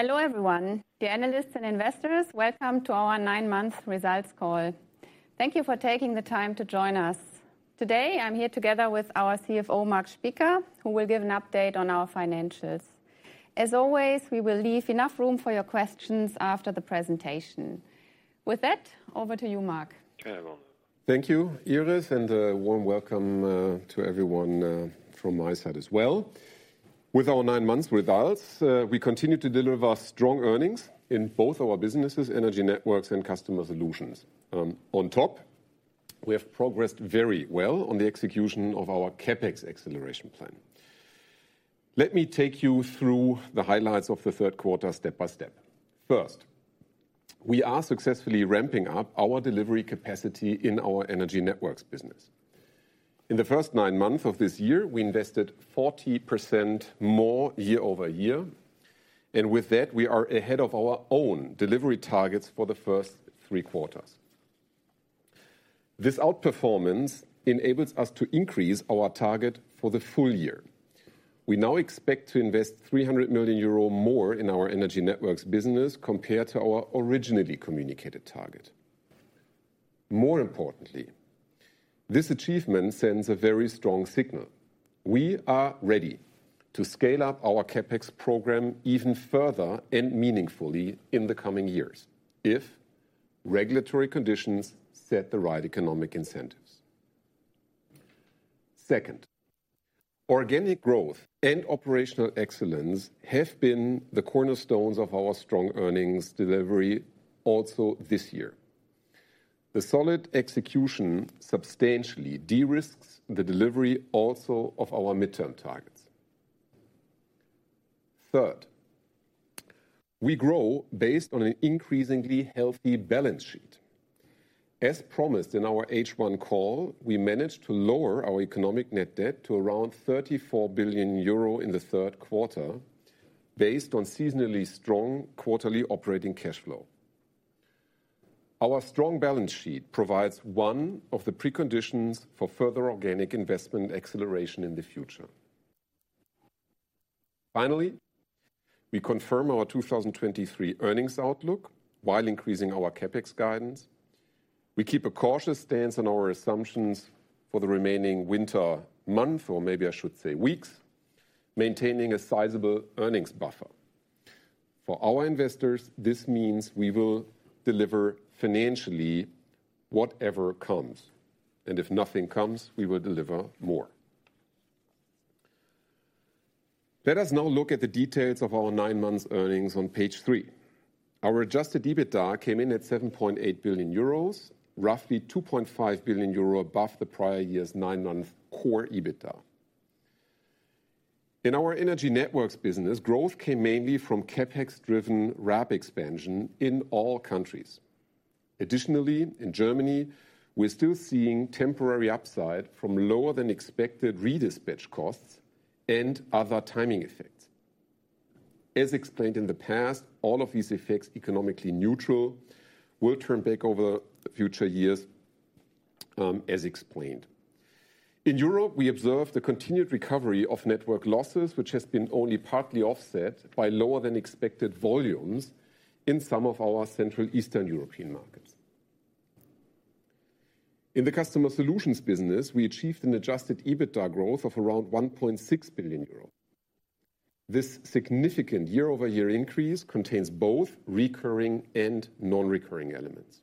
Hello everyone, dear analysts and investors, welcome to our nine-month results call. Thank you for taking the time to join us. Today, I'm here together with our CFO, Marc Spieker, who will give an update on our financials. As always, we will leave enough room for your questions after the presentation. With that, over to you, Marc. Thank you, Iris, and a warm welcome to everyone from my side as well. With our nine months results, we continue to deliver strong earnings in both our businesses, energy networks and Customer Solutions. On top, we have progressed very well on the execution of our CapEx acceleration plan. Let me take you through the highlights of the third quarter step by step. First, we are successfully ramping up our delivery capacity in our energy networks business. In the first nine months of this year, we invested 40% more year-over-year, and with that, we are ahead of our own delivery targets for the first three quarters. This outperformance enables us to increase our target for the full-year. We now expect to invest 300 million euro more in our energy networks business compared to our originally communicated target. More importantly, this achievement sends a very strong signal: we are ready to scale up our CapEx program even further and meaningfully in the coming years, if regulatory conditions set the right economic incentives. Second, organic growth and operational excellence have been the cornerstones of our strong earnings delivery also this year. The solid execution substantially de-risks the delivery also of our midterm targets. Third, we grow based on an increasingly healthy balance sheet. As promised in our H1 call, we managed to lower our Economic Net Debt to around 34 billion euro in the third quarter, based on seasonally strong quarterly operating cash flow. Our strong balance sheet provides one of the preconditions for further organic investment acceleration in the future. Finally, we confirm our 2023 earnings outlook while increasing our CapEx guidance. We keep a cautious stance on our assumptions for the remaining winter month, or maybe I should say weeks, maintaining a sizable earnings buffer. For our investors, this means we will deliver financially whatever comes, and if nothing comes, we will deliver more. Let us now look at the details of our nine-month earnings on page three. Our adjusted EBITDA came in at 7.8 billion euros, roughly 2.5 billion euro above the prior year's nine-month core EBITDA. In our Energy Networks business, growth came mainly from CapEx-driven RAB expansion in all countries. Additionally, in Germany, we're still seeing temporary upside from lower-than-expected redispatch costs and other timing effects. As explained in the past, all of these effects, economically neutral, will turn back over the future years, as explained. In Europe, we observe the continued recovery of network losses, which has been only partly offset by lower-than-expected volumes in some of our Central Eastern European markets. In the Customer Solutions business, we achieved an adjusted EBITDA growth of around 1.6 billion euro. This significant year-over-year increase contains both recurring and non-recurring elements.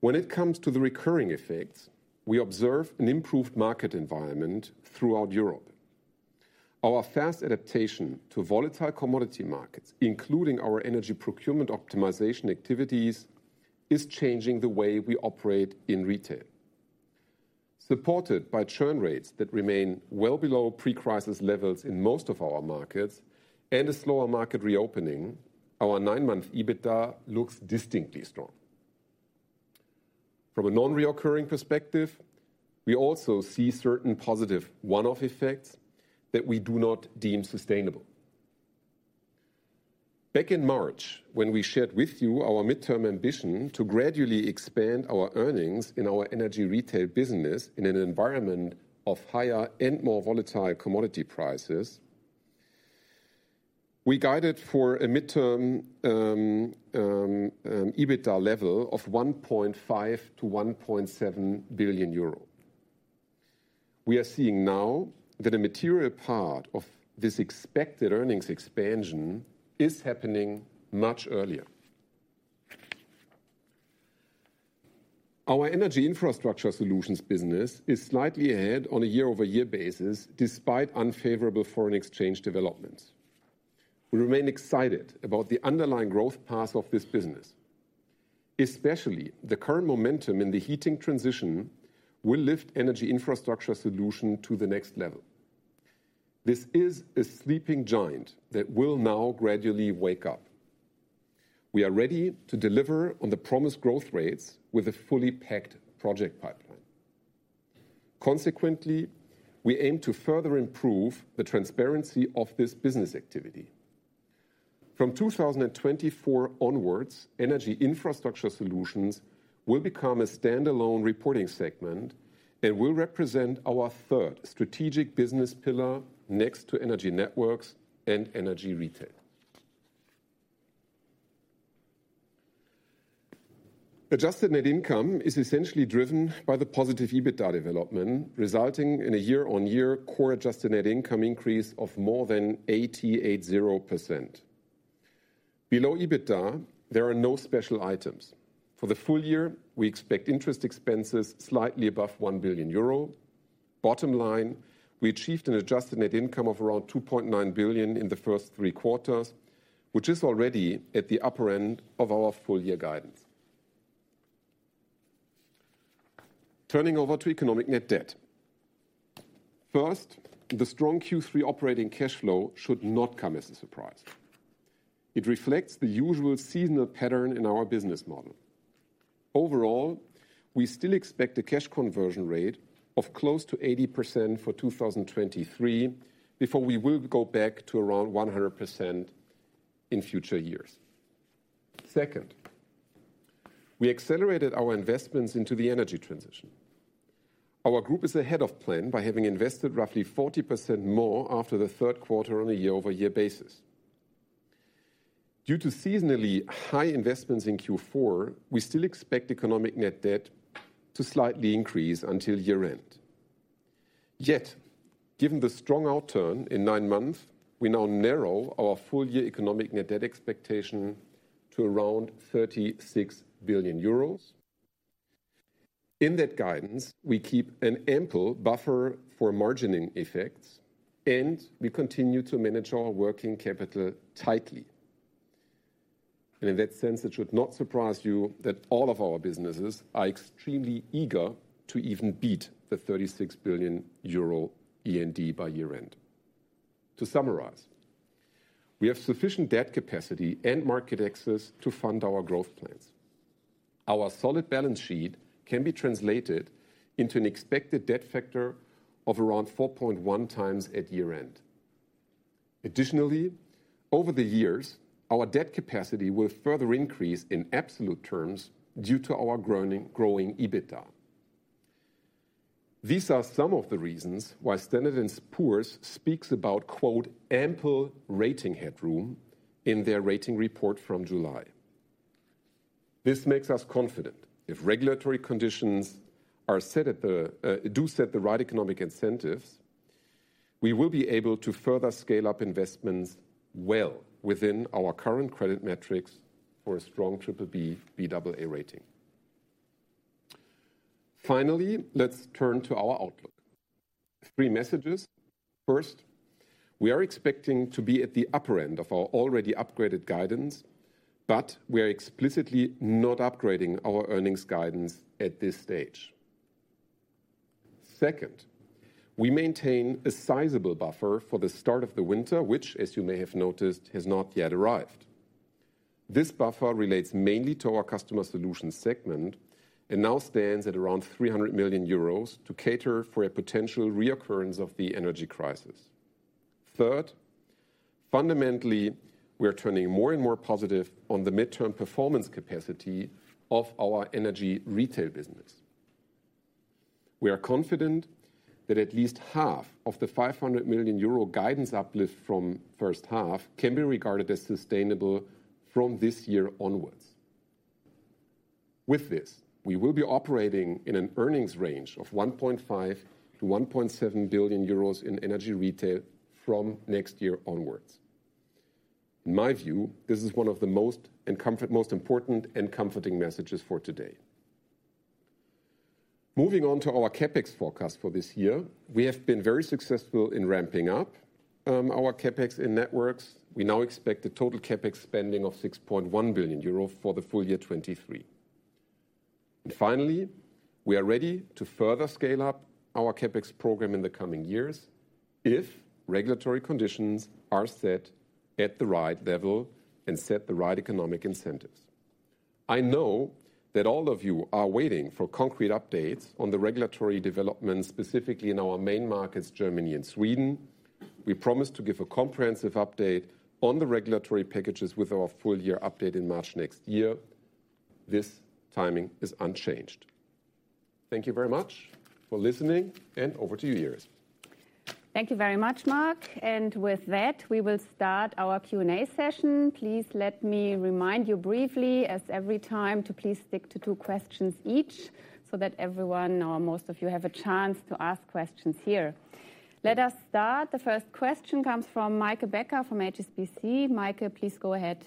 When it comes to the recurring effects, we observe an improved market environment throughout Europe. Our fast adaptation to volatile commodity markets, including our energy procurement optimization activities, is changing the way we operate in retail. Supported by churn rates that remain well below pre-crisis levels in most of our markets and a slower market reopening, our nine-month EBITDA looks distinctly strong. From a non-recurring perspective, we also see certain positive one-off effects that we do not deem sustainable. Back in March, when we shared with you our midterm ambition to gradually expand our earnings in our energy retail business in an environment of higher and more volatile commodity prices, we guided for a midterm EBITDA level of 1.5 billion-1.7 billion euro. We are seeing now that a material part of this expected earnings expansion is happening much earlier. Our Energy Infrastructure Solutions business is slightly ahead on a year-over-year basis, despite unfavorable foreign exchange developments. We remain excited about the underlying growth path of this business. Especially, the current momentum in the heating transition will lift Energy Infrastructure Solutions to the next level. This is a sleeping giant that will now gradually wake up. We are ready to deliver on the promised growth rates with a fully packed project pipeline. Consequently, we aim to further improve the transparency of this business activity. From 2024 onwards, energy infrastructure solutions will become a standalone reporting segment and will represent our third strategic business pillar next to energy networks and energy retail. Adjusted net income is essentially driven by the positive EBITDA development, resulting in a year-on-year core adjusted net income increase of more than 88%. Below EBITDA, there are no special items. For the full-year, we expect interest expenses slightly above 1 billion euro. Bottom line, we achieved an adjusted net income of around 2.9 billion in the first three quarters, which is already at the upper end of our full-year guidance. Turning over to economic net debt. First, the strong Q3 operating cash flow should not come as a surprise. It reflects the usual seasonal pattern in our business model. Overall, we still expect a cash conversion rate of close to 80% for 2023, before we will go back to around 100% in future years. Second, we accelerated our investments into the energy transition. Our group is ahead of plan by having invested roughly 40% more after the third quarter on a year-over-year basis. Due to seasonally high investments in Q4, we still expect economic net debt to slightly increase until year-end. Yet, given the strong outturn in nine months, we now narrow our full-year economic net debt expectation to around 36 billion euros. In that guidance, we keep an ample buffer for margining effects, and we continue to manage our working capital tightly. In that sense, it should not surprise you that all of our businesses are extremely eager to even beat the 36 billion euro END by year-end. To summarize, we have sufficient debt capacity and market access to fund our growth plans. Our solid balance sheet can be translated into an expected debt factor of around 4.1 times at year-end. Additionally, over the years, our debt capacity will further increase in absolute terms due to our growing, growing EBITDA. These are some of the reasons why Standard & Poor's speaks about, quote, "ample rating headroom" in their rating report from July. This makes us confident if regulatory conditions are set at the, do set the right economic incentives, we will be able to further scale up investments well within our current credit metrics for a strong triple B, BAA rating. Finally, let's turn to our outlook. Three messages: First, we are expecting to be at the upper end of our already upgraded guidance, but we are explicitly not upgrading our earnings guidance at this stage. Second, we maintain a sizable buffer for the start of the winter, which, as you may have noticed, has not yet arrived. This buffer relates mainly to our Customer Solutions segment and now stands at around 300 million euros to cater for a potential reoccurrence of the energy crisis. Third, fundamentally, we are turning more and more positive on the midterm performance capacity of our energy retail business. We are confident that at least half of the 500 million euro guidance uplift from first half can be regarded as sustainable from this year onwards. With this, we will be operating in an earnings range of 1.5 billion-1.7 billion euros in energy retail from next year onwards. In my view, this is one of the most important and comforting messages for today. Moving on to our CapEx forecast for this year. We have been very successful in ramping up our CapEx in networks. We now expect a total CapEx spending of 6.1 billion euro for the full-year 2023. And finally, we are ready to further scale up our CapEx program in the coming years if regulatory conditions are set at the right level and set the right economic incentives. I know that all of you are waiting for concrete updates on the regulatory developments, specifically in our main markets, Germany and Sweden. We promise to give a comprehensive update on the regulatory packages with our full-year update in March next year. This timing is unchanged. Thank you very much for listening, and over to you, Iris. Thank you very much, Marc. With that, we will start our Q&A session. Please let me remind you briefly, as every time, to please stick to two questions each, so that everyone or most of you have a chance to ask questions here. Let us start. The first question comes from Meike Becker, from HSBC. Meike, please go ahead.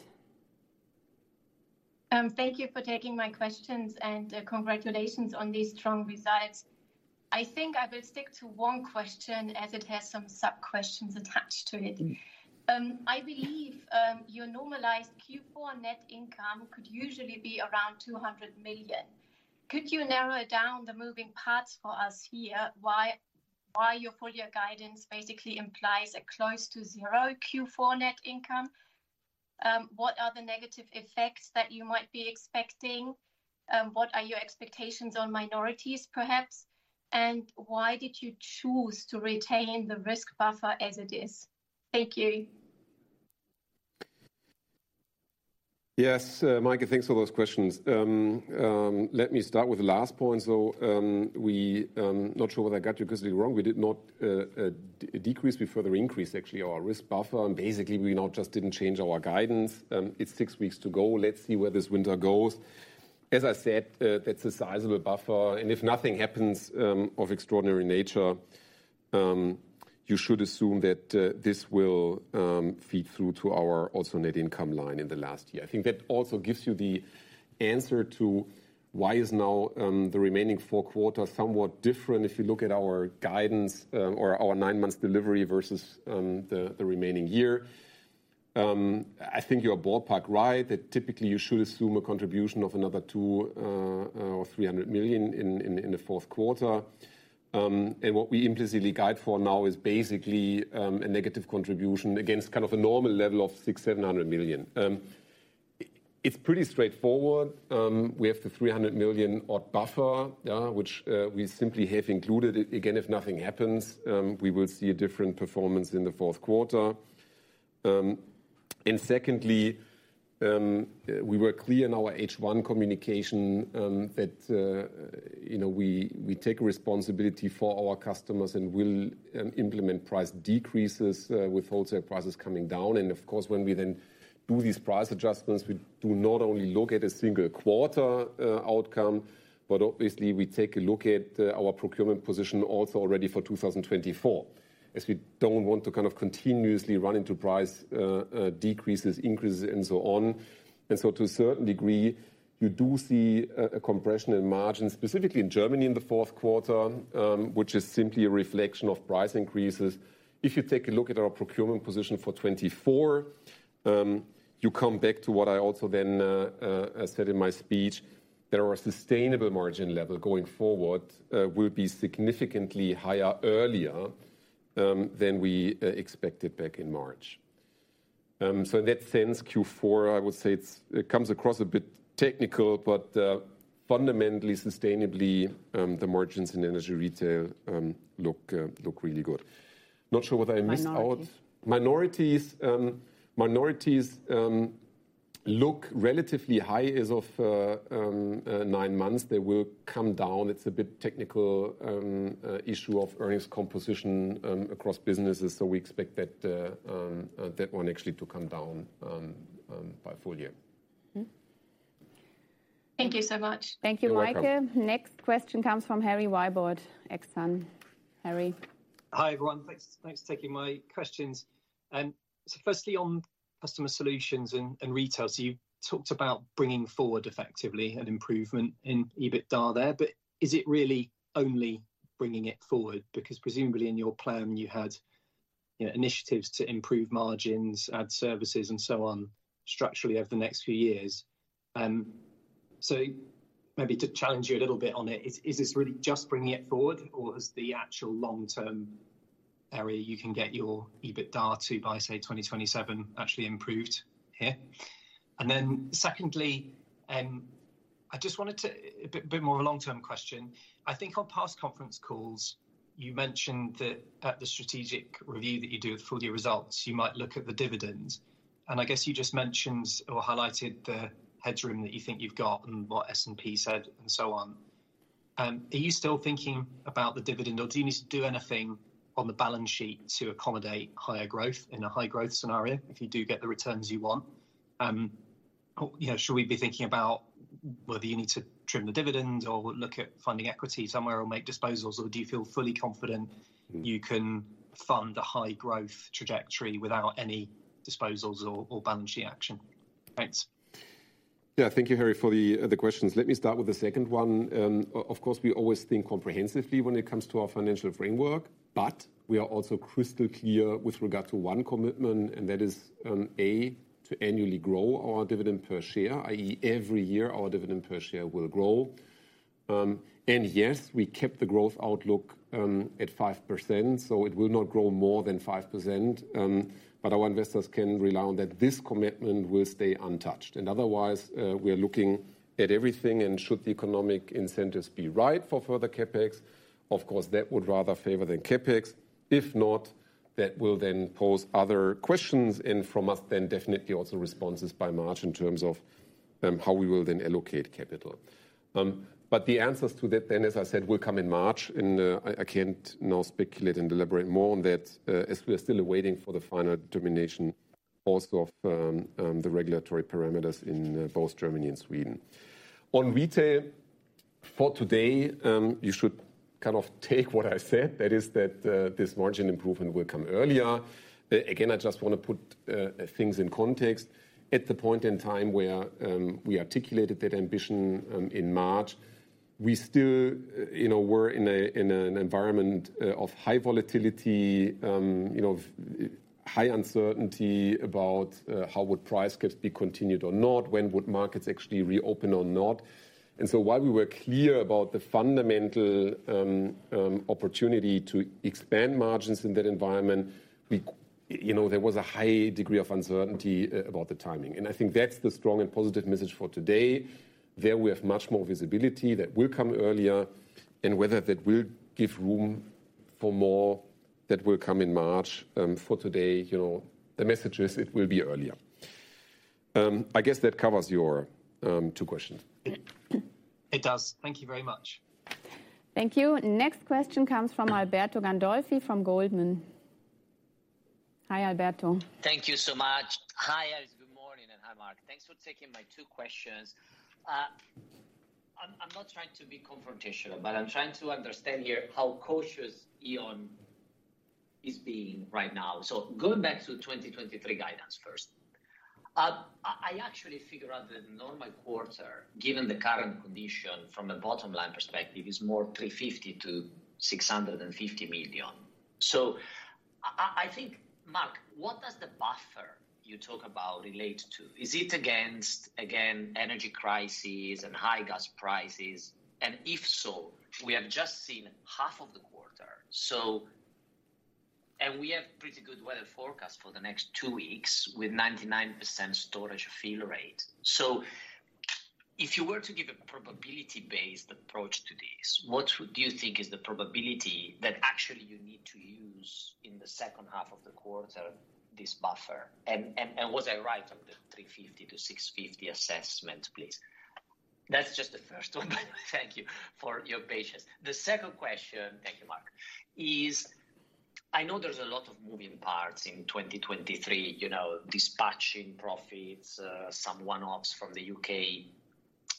Thank you for taking my questions, and, congratulations on these strong results. I think I will stick to one question, as it has some sub-questions attached to it. I believe, your normalized Q4 net income could usually be around 200 million. Could you narrow down the moving parts for us here? Why, why your full-year guidance basically implies a close to 0 Q4 net income? What are the negative effects that you might be expecting? What are your expectations on minorities, perhaps? And why did you choose to retain the risk buffer as it is? Thank you.... Yes, Mike, thanks for those questions. Let me start with the last point, though. We not sure whether I got you completely wrong. We did not decrease, we further increased actually our risk buffer, and basically we not just didn't change our guidance. It's six weeks to go. Let's see where this winter goes. As I said, that's a sizable buffer, and if nothing happens of extraordinary nature, you should assume that this will feed through to our also net income line in the last year. I think that also gives you the answer to why is now the remaining four quarters somewhat different if you look at our guidance, or our nine months delivery versus the remaining year. I think you're ballpark right, that typically you should assume a contribution of another 200 or 300 million in the fourth quarter. And what we implicitly guide for now is basically a negative contribution against kind of a normal level of 600- 700 million. It's pretty straightforward. We have the 300 million-odd buffer, yeah, which we simply have included. Again, if nothing happens, we will see a different performance in the fourth quarter. And secondly, we were clear in our H1 communication, that you know, we take responsibility for our customers and will implement price decreases with wholesale prices coming down. And of course, when we then do these price adjustments, we do not only look at a single quarter outcome, but obviously we take a look at our procurement position also already for 2024, as we don't want to kind of continuously run into price decreases, increases, and so on. And so to a certain degree, you do see a compression in margins, specifically in Germany in the fourth quarter, which is simply a reflection of price increases. If you take a look at our procurement position for 2024, you come back to what I also then said in my speech, that our sustainable margin level going forward will be significantly higher earlier than we expected back in March. So in that sense, Q4, I would say it comes across a bit technical, but fundamentally, sustainably, the margins in Energy Retail look really good. Not sure whether I missed out- Minorities? Minorities look relatively high as of nine months. They will come down. It's a bit technical issue of earnings composition across businesses, so we expect that one actually to come down by full-year. Mm-hmm. Thank you so much. You're welcome. Thank you, Meike. Next question comes from Harry Wyburd, Exane. Harry? Hi, everyone. Thanks, thanks for taking my questions. So firstly, on Customer Solutions and retail, so you talked about bringing forward effectively an improvement in EBITDA there, but is it really only bringing it forward? Because presumably in your plan you had, you know, initiatives to improve margins, add services, and so on, structurally over the next few years. So maybe to challenge you a little bit on it, is this really just bringing it forward, or is the actual long-term area you can get your EBITDA to, by say, 2027, actually improved here? And then secondly, I just wanted to... A bit more of a long-term question. I think on past conference calls, you mentioned that at the strategic review that you do with full-year results, you might look at the dividends. I guess you just mentioned or highlighted the headroom that you think you've got and what S&P said, and so on. Are you still thinking about the dividend, or do you need to do anything on the balance sheet to accommodate higher growth in a high growth scenario if you do get the returns you want? Oh, you know, should we be thinking about whether you need to trim the dividend or look at funding equity somewhere or make disposals, or do you feel fully confident- Mm... you can fund a high growth trajectory without any disposals or balance sheet action? Thanks. Yeah, thank you, Harry, for the questions. Let me start with the second one. Of course, we always think comprehensively when it comes to our financial framework, but we are also crystal clear with regard to one commitment, and that is, A, to annually grow our dividend per share, i.e., every year our dividend per share will grow. And yes, we kept the growth outlook at 5%, so it will not grow more than 5%. But our investors can rely on that this commitment will stay untouched. And otherwise, we are looking at everything, and should the economic incentives be right for further CapEx, of course, that would rather favor the CapEx. If not, that will then pose other questions, and from us, then definitely also responses by March in terms of how we will then allocate capital. But the answers to that then, as I said, will come in March, and I can't now speculate and deliberate more on that, as we are still waiting for the final determination also of the regulatory parameters in both Germany and Sweden. On retail, for today, you should kind of take what I said, that is that this margin improvement will come earlier. Again, I just wanna put things in context. At the point in time where we articulated that ambition in March, we still, you know, were in an environment of high volatility, you know, high uncertainty about how would price cuts be continued or not, when would markets actually reopen or not. And so while we were clear about the fundamental opportunity to expand margins in that environment, we, you know, there was a high degree of uncertainty about the timing. And I think that's the strong and positive message for today. There we have much more visibility that will come earlier, and whether that will give room for more, that will come in March. For today, you know, the message is it will be earlier. I guess that covers your two questions. It does. Thank you very much. Thank you. Next question comes from Alberto Gandolfi, from Goldman. Hi, Alberto. Thank you so much. Hi, guys. Good morning, and hi, Mark. Thanks for taking my two questions. I'm not trying to be confrontational, but I'm trying to understand here how cautious E.ON is being right now. So going back to 2023 guidance first. I actually figure out the normal quarter, given the current condition from a bottom line perspective, is more 350 million-650 million. So I think, Mark, what does the buffer you talk about relate to? Is it against, again, energy crises and high gas prices? And if so, we have just seen half of the quarter, so... And we have pretty good weather forecast for the next two weeks, with 99% storage fill rate. So if you were to give a probability-based approach to this, what would you think is the probability that actually you need to use in the second half of the quarter, this buffer? And was I right on the 350-650 assessment, please? That's just the first one. Thank you for your patience. The second question, thank you, Marc, is I know there's a lot of moving parts in 2023, you know, dispatching profits, some one-offs from the UK,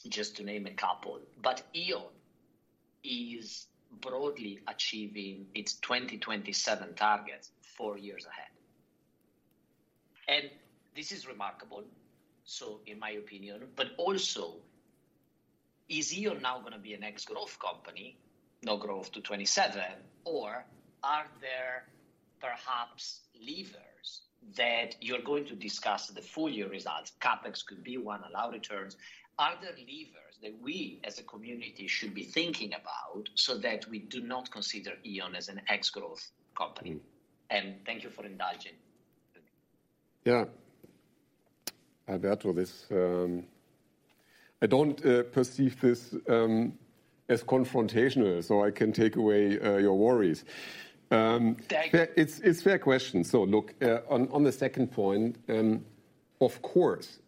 just to name a couple. But E.ON is broadly achieving its 2027 targets four years ahead, and this is remarkable, so in my opinion. But also, is E.ON now gonna be an ex-growth company, no growth to 2027? Or are there perhaps levers that you're going to discuss the full-year results, CapEx could be one, allow returns. Are there levers that we, as a community, should be thinking about so that we do not consider E.ON as an ex-growth company? Thank you for indulging. Yeah. Alberto, this, I don't perceive this as confrontational, so I can take away your worries. Thank you. It's a fair question. So look, on the second point, of course,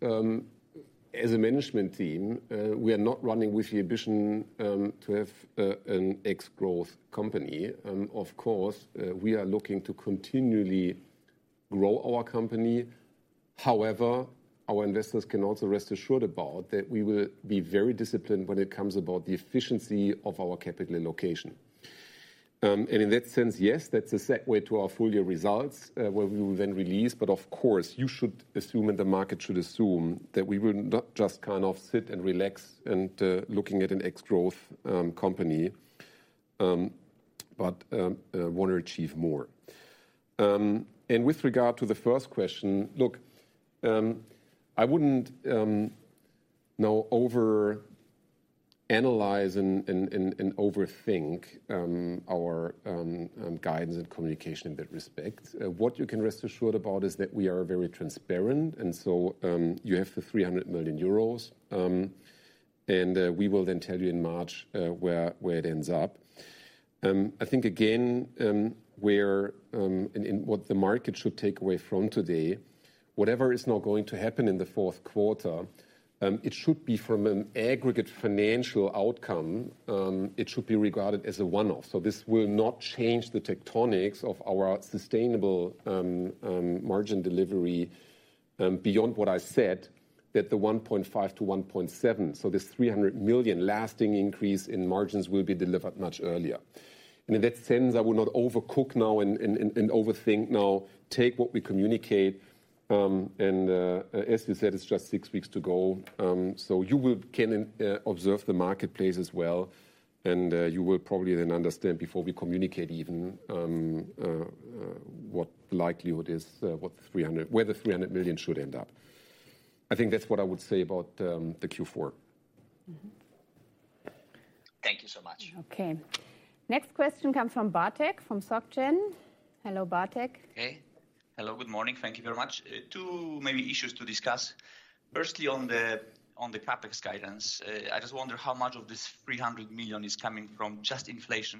as a management team, we are not running with the ambition to have an ex-growth company. Of course, we are looking to continually grow our company. However, our investors can also rest assured that we will be very disciplined when it comes to the efficiency of our capital allocation. And in that sense, yes, that's a segue to our full-year results, where we will then release. But of course, you should assume, and the market should assume, that we will not just kind of sit and relax and looking at an ex-growth company, but want to achieve more. With regard to the first question, look, I wouldn't overanalyze and overthink our guidance and communication in that respect. What you can rest assured about is that we are very transparent, and so you have the 300 million euros, and we will then tell you in March where it ends up. I think again, what the market should take away from today, whatever is now going to happen in the fourth quarter, it should be from an aggregate financial outcome, it should be regarded as a one-off. So this will not change the tectonics of our sustainable margin delivery beyond what I said, that the 1.5-1.7. So this 300 million lasting increase in margins will be delivered much earlier. In that sense, I will not overcook now and overthink now. Take what we communicate, and as you said, it's just six weeks to go. So you can observe the marketplace as well, and you will probably then understand before we communicate even, what the likelihood is, what the 300 million—where the 300 million should end up. I think that's what I would say about the Q4. Mm-hmm. Thank you so much. Okay. Next question comes from Bartek, from SocGen. Hello, Bartek. Hey. Hello, good morning. Thank you very much. Two maybe issues to discuss: firstly, on the, on the CapEx guidance. I just wonder how much of this 300 million is coming from just inflation,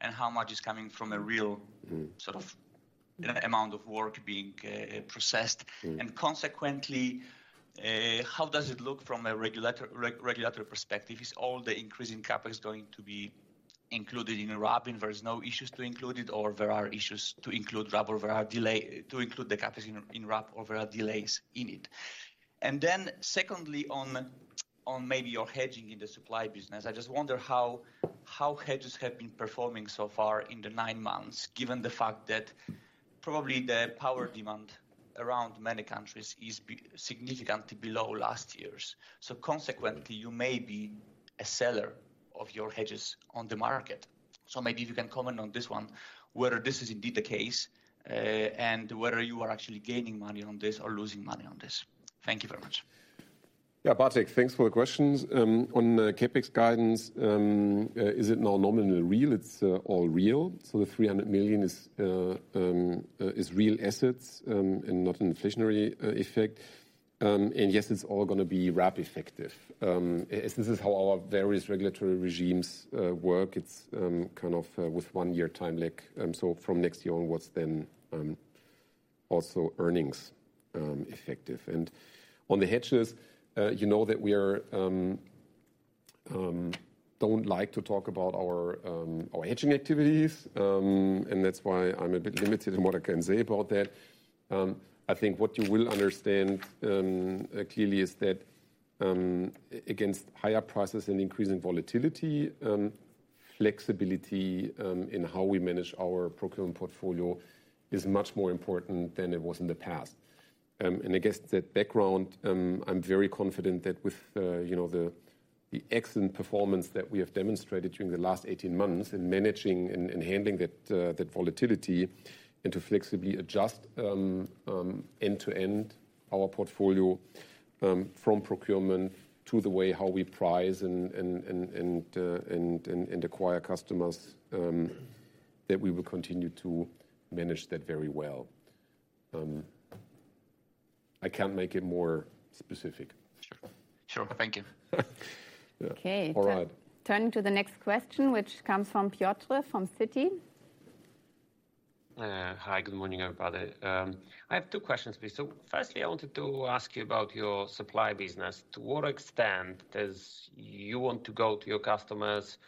and how much is coming from a real- Mm. sort of amount of work being processed. Mm. Consequently, how does it look from a regulatory perspective? Is all the increase in CapEx going to be included in RAB and there are no issues to include it, or there are issues to include RAB or there are delays to include the CapEx in RAB? And then secondly, maybe your hedging in the supply business, I just wonder how hedges have been performing so far in the nine months, given the fact that probably the power demand around many countries is significantly below last year's. So consequently- Mm... you may be a seller of your hedges on the market. So maybe if you can comment on this one, whether this is indeed the case, and whether you are actually gaining money on this or losing money on this. Thank you very much. Yeah, Bartek, thanks for the questions. On CapEx guidance, is it now nominal or real? It's all real. So the 300 million is real assets, and not an inflationary effect. And yes, it's all gonna be rapid effective. As this is how our various regulatory regimes work, it's kind of with one-year time lag. So from next year on, what's then also earnings effective. And on the hedges, you know that we don't like to talk about our hedging activities. And that's why I'm a bit limited in what I can say about that. I think what you will understand clearly is that against higher prices and increasing volatility, flexibility in how we manage our procurement portfolio is much more important than it was in the past. And against that background, I'm very confident that with, you know, the excellent performance that we have demonstrated during the last 18 months in managing and handling that volatility, and to flexibly adjust end-to-end our portfolio, from procurement to the way how we price and acquire customers, that we will continue to manage that very well. I can't make it more specific. Sure. Sure, thank you. Yeah. Okay. All right. Turning to the next question, which comes from Piotr, from Citi. Hi, good morning, everybody. I have two questions for you. So firstly, I wanted to ask you about your supply business. To what extent does you want to go to your customers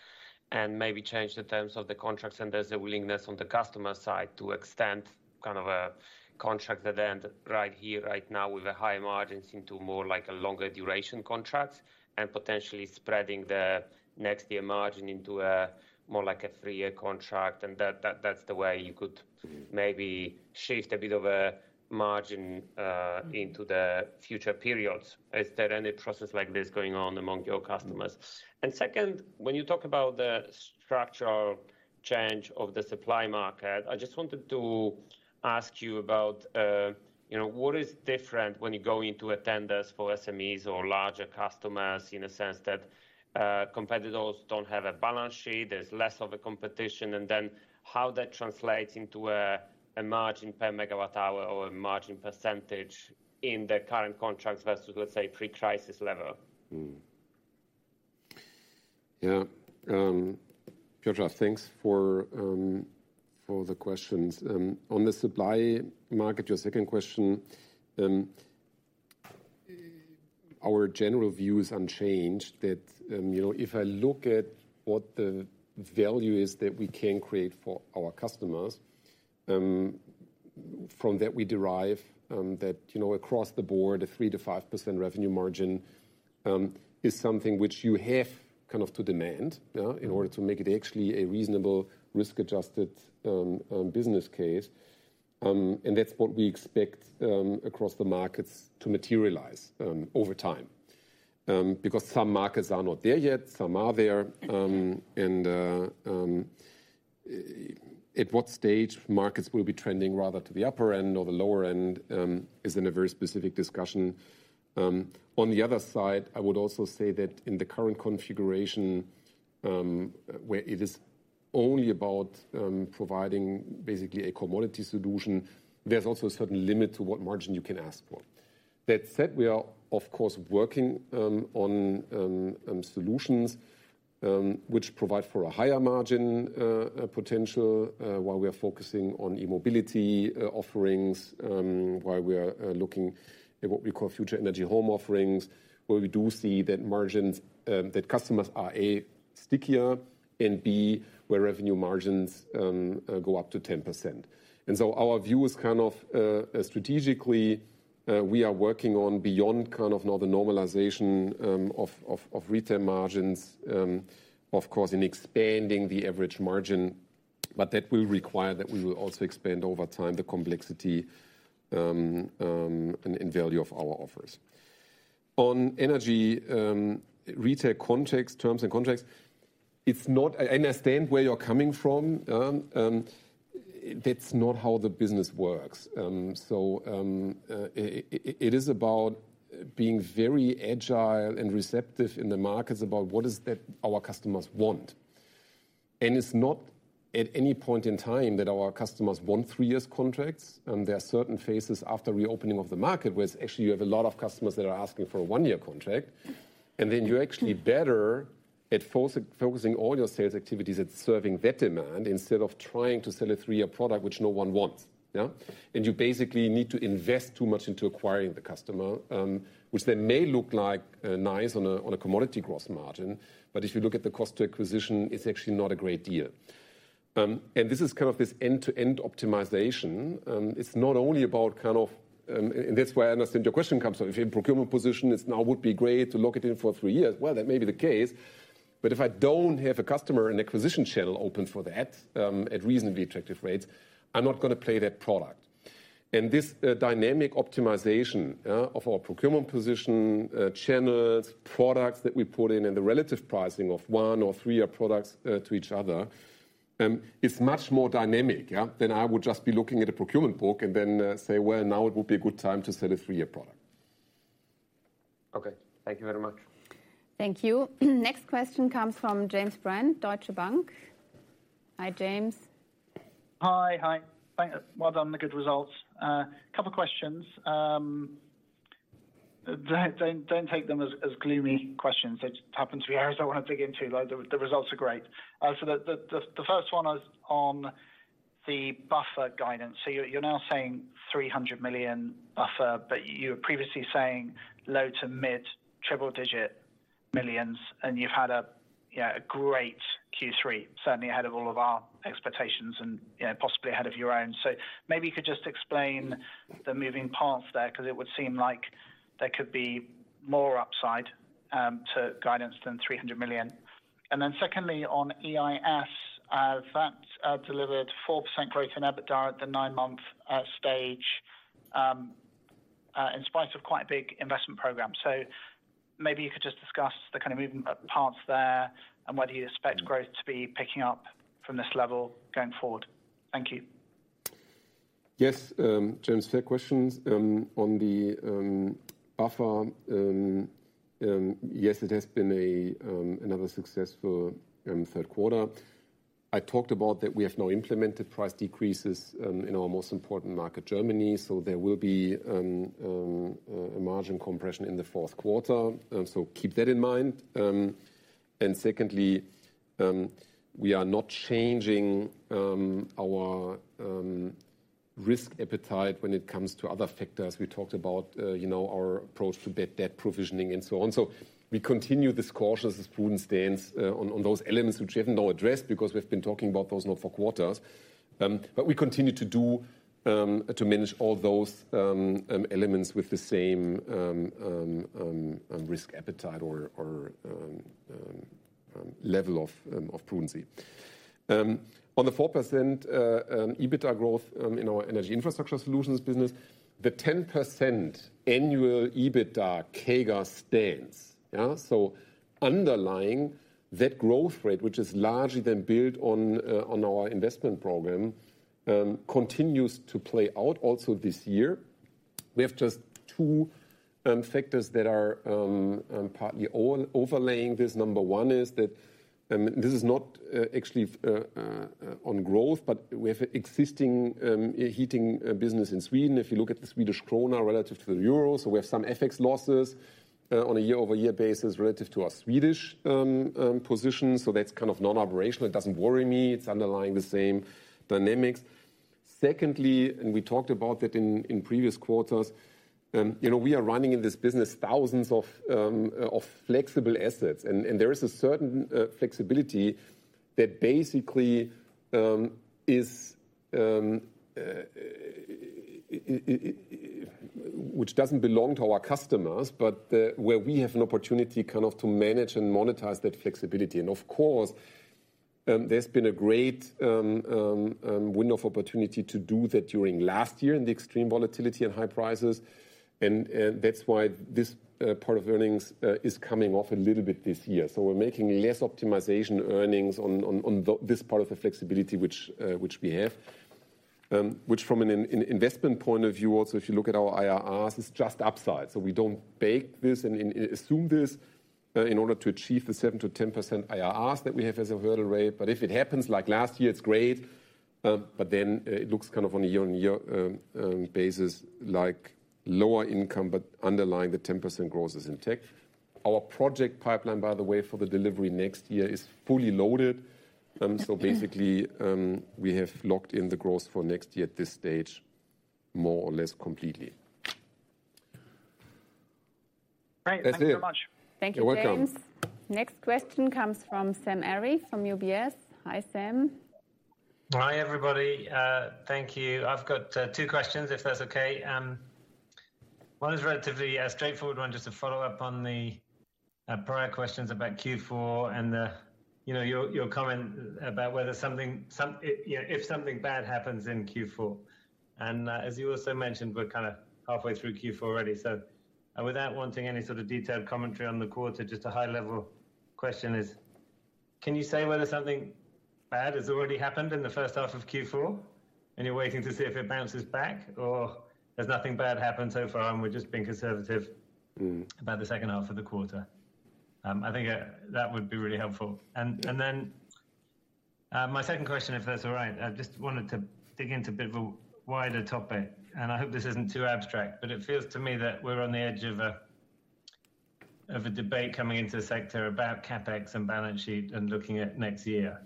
and maybe change the terms of the contracts, and there's a willingness on the customer side to extend kind of a contract that end right here, right now, with the high margins into more like a longer duration contract, and potentially spreading the next year margin into a more like a three-year contract, and that, that, that's the way you could- Mm... maybe shift a bit of a margin, Mm... into the future periods? Is there any process like this going on among your customers? And second, when you talk about the structural change of the supply market, I just wanted to ask you about, you know, what is different when you go into tenders for SMEs or larger customers, in the sense that, competitors don't have a balance sheet, there's less of a competition, and then how that translates into a margin per megawatt hour or a margin percentage in the current contracts versus, let's say, pre-crisis level? Yeah. Piotr, thanks for the questions. On the supply market, your second question, our general view is unchanged that, you know, if I look at what the value is that we can create for our customers, from that we derive, that, you know, across the board, a 3%-5% revenue margin is something which you have kind of to demand, yeah, in order to make it actually a reasonable risk-adjusted business case. And that's what we expect across the markets to materialize over time. Because some markets are not there yet, some are there. And at what stage markets will be trending rather to the upper end or the lower end is in a very specific discussion. On the other side, I would also say that in the current configuration, where it is only about providing basically a commodity solution, there's also a certain limit to what margin you can ask for. That said, we are of course working on solutions which provide for a higher margin potential while we are focusing on e-mobility offerings while we are looking at what we call future energy home offerings, where we do see that margins that customers are, A, stickier, and B, where revenue margins go up to 10%. Our view is kind of strategically we are working on beyond kind of now the normalization of retail margins, of course, in expanding the average margin, but that will require that we will also expand over time the complexity and value of our offers. On energy retail contracts, terms and contracts, it's not. I understand where you're coming from, that's not how the business works. So, it is about being very agile and receptive in the markets about what is that our customers want. And it's not at any point in time that our customers want three years contracts, there are certain phases after reopening of the market, where actually you have a lot of customers that are asking for a one-year contract. And then you're actually better at focusing all your sales activities at serving that demand, instead of trying to sell a three-year product which no one wants, yeah? And you basically need to invest too much into acquiring the customer, which then may look like nice on a commodity gross margin, but if you look at the cost to acquisition, it's actually not a great deal. And this is kind of this end-to-end optimization. It's not only about kind of. And that's where I understand your question comes from. If you're in procurement position, it's now would be great to lock it in for three years. Well, that may be the case, but if I don't have a customer and acquisition channel open for that, at reasonably attractive rates, I'm not gonna play that product. This dynamic optimization of our procurement position, channels, products that we put in, and the relative pricing of one- or three-year products to each other is much more dynamic than I would just be looking at a procurement book and then say, "Well, now it would be a good time to sell a three-year product.... Okay, thank you very much. Thank you. Next question comes from James Brand, Deutsche Bank. Hi, James. Hi. Hi. Thanks, well done on the good results. A couple questions. Don't take them as gloomy questions. They just happen to be areas I want to dig into. Like, the first one is on the buffer guidance. So you're now saying 300 million buffer, but you were previously saying low- to mid-triple-digit millions, and you've had yeah, a great Q3, certainly ahead of all of our expectations and, you know, possibly ahead of your own. So maybe you could just explain the moving parts there, 'cause it would seem like there could be more upside to guidance than 300 million. And then secondly, on EIS, that delivered 4% growth in EBITDA at the nine-month stage, in spite of quite a big investment program. So maybe you could just discuss the kind of moving parts there, and whether you expect growth to be picking up from this level going forward. Thank you. Yes, James, fair questions. On the buffer, yes, it has been another successful third quarter. I talked about that we have now implemented price decreases in our most important market, Germany, so there will be a margin compression in the fourth quarter. So keep that in mind. And secondly, we are not changing our risk appetite when it comes to other factors. We talked about, you know, our approach to bad debt provisioning and so on. So we continue this cautious and prudent stance on those elements which we haven't now addressed because we've been talking about those now for quarters. But we continue to do to manage all those elements with the same risk appetite or level of prudence. On the 4% EBITDA growth in our Energy Infrastructure Solutions business, the 10% annual EBITDA CAGR stands. Yeah, so underlying that growth rate, which is largely then built on our investment program, continues to play out also this year. We have just two factors that are partly overlaying this. Number one is that this is not actually on growth, but we have existing heating business in Sweden. If you look at the Swedish Krona relative to the euro, so we have some FX losses on a year-over-year basis relative to our Swedish position. So that's kind of non-operational. It doesn't worry me. It's underlying the same dynamics. Secondly, and we talked about that in previous quarters, you know, we are running in this business thousands of flexible assets. And there is a certain flexibility that basically is which doesn't belong to our customers, but where we have an opportunity kind of to manage and monetize that flexibility. And of course, there's been a great window of opportunity to do that during last year in the extreme volatility and high prices. And that's why this part of earnings is coming off a little bit this year. So we're making less optimization earnings on this part of the flexibility, which we have. Which from an investment point of view also, if you look at our IRRs, it's just upside. So we don't bake this and assume this in order to achieve the 7%-10% IRRs that we have as a hurdle rate. But if it happens like last year, it's great, but then it looks kind of on a year-on-year basis, like lower income, but underlying the 10% growth is intact. Our project pipeline, by the way, for the delivery next year is fully loaded. So basically, we have locked in the growth for next year at this stage, more or less completely. Great. That's it. Thank you very much. Thank you, James. You're welcome. Next question comes from Sam Arie from UBS. Hi, Sam. Hi, everybody, thank you. I've got two questions, if that's okay. One is a relatively straightforward one, just to follow up on the prior questions about Q4 and, you know, your comment about whether something bad happens in Q4. And, as you also mentioned, we're kind of halfway through Q4 already. So, without wanting any sort of detailed commentary on the quarter, just a high-level question is: Can you say whether something bad has already happened in the first half of Q4 and you're waiting to see if it bounces back, or has nothing bad happened so far and we're just being conservative? Mm... about the second half of the quarter? I think, that would be really helpful. Yeah. And then, my second question, if that's all right, I just wanted to dig into a bit of a wider topic, and I hope this isn't too abstract. But it feels to me that we're on the edge of a debate coming into the sector about CapEx and balance sheet and looking at next year.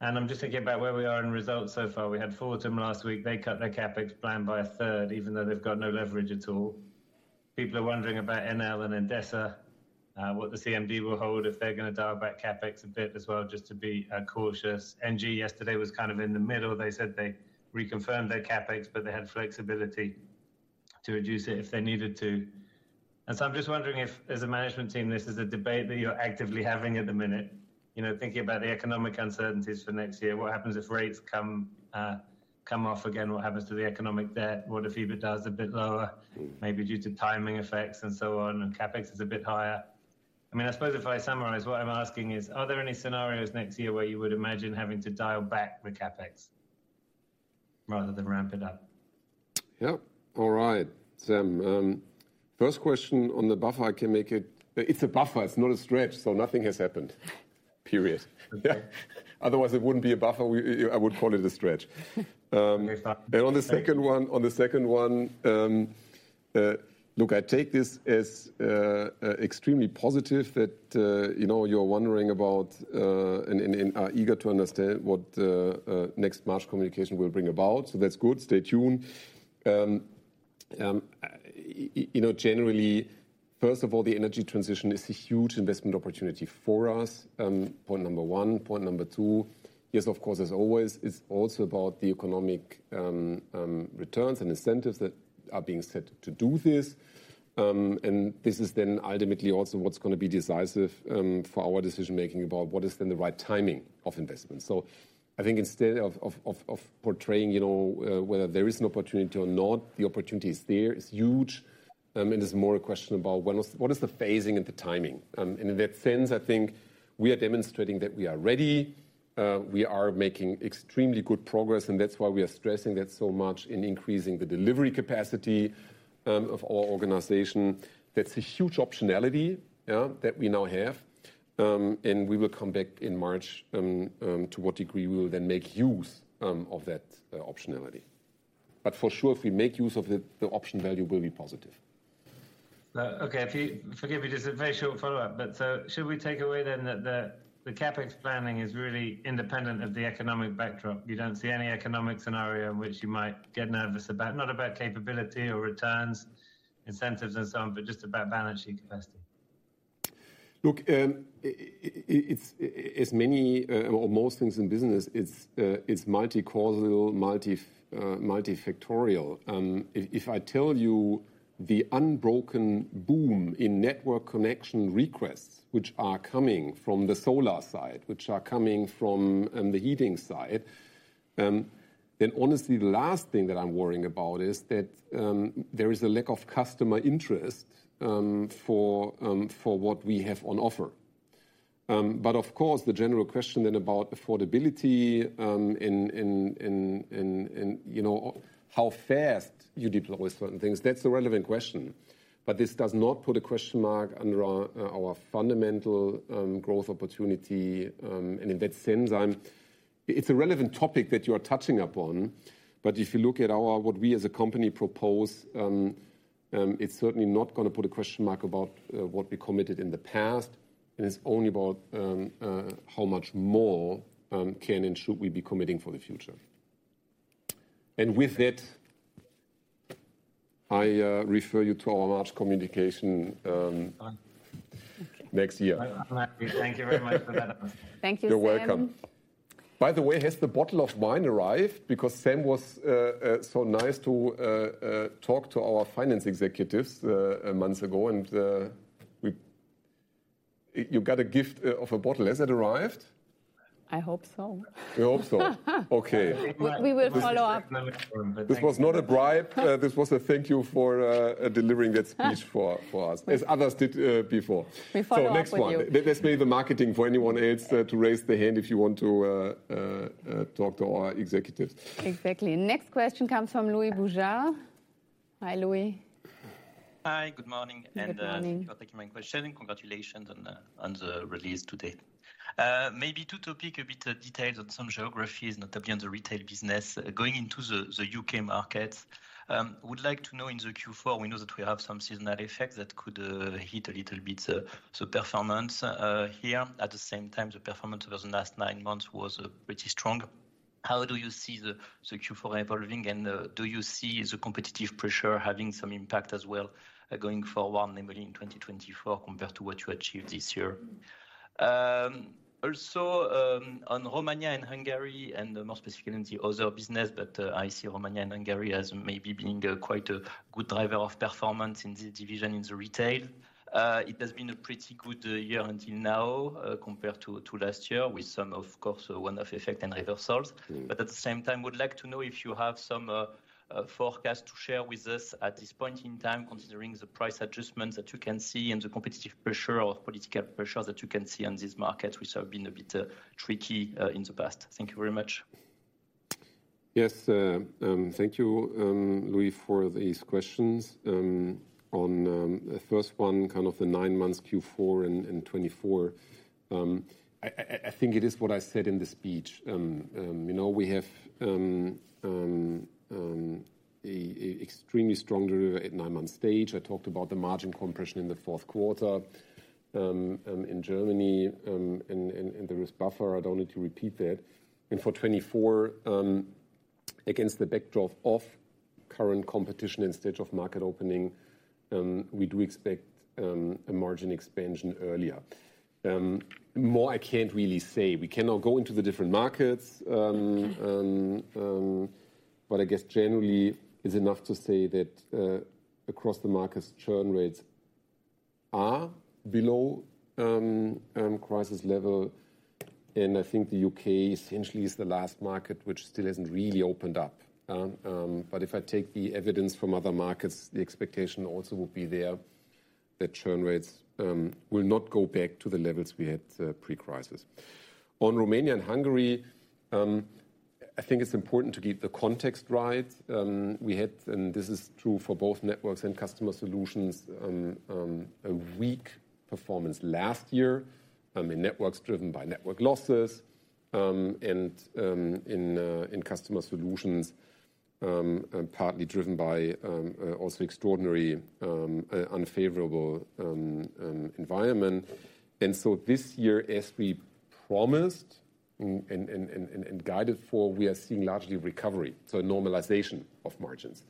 And I'm just thinking about where we are in results so far. We had Fortum last week. They cut their CapEx plan by a third, even though they've got no leverage at all. People are wondering about Enel and Endesa, what the CMD will hold, if they're gonna dial back CapEx a bit as well, just to be cautious. Engie yesterday was kind of in the middle. They said they reconfirmed their CapEx, but they had flexibility to reduce it if they needed to. And so I'm just wondering if, as a management team, this is a debate that you're actively having at the minute. You know, thinking about the economic uncertainties for next year, what happens if rates come off again? What happens to the economic debt? What if EBITDA is a bit lower, maybe due to timing effects and so on, and CapEx is a bit higher? I mean, I suppose if I summarize, what I'm asking is, are there any scenarios next year where you would imagine having to dial back the CapEx?... rather than ramp it up? Yep. All right, Sam, first question on the buffer, it's a buffer, it's not a stretch, so nothing has happened, period. Yeah. Otherwise, it wouldn't be a buffer. We, I would call it a stretch. And on the second one, on the second one, look, I take this as extremely positive that, you know, you're wondering about and, and, and are eager to understand what the next March communication will bring about, so that's good. Stay tuned. You know, generally, first of all, the energy transition is a huge investment opportunity for us, point number one. Point number two, yes, of course, as always, it's also about the economic returns and incentives that are being set to do this. And this is then ultimately also what's gonna be decisive for our decision making about what is then the right timing of investments. So I think instead of portraying, you know, whether there is an opportunity or not, the opportunity is there, it's huge, and it's more a question about when is what is the phasing and the timing? And in that sense, I think we are demonstrating that we are ready. We are making extremely good progress, and that's why we are stressing that so much in increasing the delivery capacity of our organization. That's a huge optionality, yeah, that we now have. And we will come back in March to what degree we will then make use of that optionality. But for sure, if we make use of it, the option value will be positive. Okay, if you forgive me, just a very short follow-up. But, so should we take away then that the CapEx planning is really independent of the economic backdrop? You don't see any economic scenario in which you might get nervous about, not about capability or returns, incentives and so on, but just about balance sheet capacity? Look, it's as many or most things in business, it's multi-causal, multi, multifactorial. If I tell you the unbroken boom in network connection requests, which are coming from the solar side, which are coming from the heating side, then honestly, the last thing that I'm worrying about is that there is a lack of customer interest for what we have on offer. But of course, the general question then about affordability and you know, how fast you deploy certain things, that's a relevant question. But this does not put a question mark under our our fundamental growth opportunity. And in that sense, I'm... It's a relevant topic that you are touching upon, but if you look at our what we as a company propose, it's certainly not gonna put a question mark about what we committed in the past. It is only about how much more can and should we be committing for the future. And with that, I refer you to our March communication next year. Thank you very much for that. Thank you, Sam. You're welcome. By the way, has the bottle of wine arrived? Because Sam was so nice to talk to our finance executives a month ago, and you got a gift of a bottle. Has it arrived? I hope so. We hope so. Okay. We will follow up. Thank you. This was not a bribe. This was a thank you for delivering that speech for us, as others did before. We follow up with you. So next one. Let's leave the marketing for anyone else to raise their hand if you want to talk to our executives. Exactly. Next question comes from Louis Boujard. Hi, Louis. Hi, good morning. Good morning. Thank you for taking my question, and congratulations on the release today. Maybe to touch on a bit details on some geographies, and particularly on the retail business. Going into the UK market, would like to know in the Q4, we know that we have some seasonal effects that could hit a little bit the performance here. At the same time, the performance over the last nine months was pretty strong. How do you see the Q4 evolving, and do you see the competitive pressure having some impact as well, going forward, namely in 2024, compared to what you achieved this year? Also, on Romania and Hungary, and more specifically in the other business, but I see Romania and Hungary as maybe being quite a good driver of performance in the division, in the retail. It has been a pretty good year until now, compared to last year, with some, of course, one-off effect and reversals. Mm. But at the same time, would like to know if you have some forecasts to share with us at this point in time, considering the price adjustments that you can see and the competitive pressure or political pressure that you can see on this market, which have been a bit tricky in the past. Thank you very much. Yes, thank you, Louis, for these questions. On the first one, kind of the nine months, Q4 and 2024, I think it is what I said in the speech. You know, we have an extremely strong delivery at nine-month stage. I talked about the margin compression in the fourth quarter in Germany, and there is buffer, I don't need to repeat that. For 2024, against the backdrop of current competition and stage of market opening, we do expect a margin expansion earlier. More I can't really say. We cannot go into the different markets, but I guess generally, it's enough to say that, across the markets, churn rates are below crisis level, and I think the UK essentially is the last market which still hasn't really opened up. But if I take the evidence from other markets, the expectation also would be there that churn rates will not go back to the levels we had pre-crisis. On Romania and Hungary, I think it's important to get the context right. We had, and this is true for both networks and Customer Solutions, a weak performance last year, in networks driven by network losses, and in Customer Solutions, partly driven by also extraordinary unfavorable environment. So this year, as we promised and guided for, we are seeing largely recovery, so normalization of margins.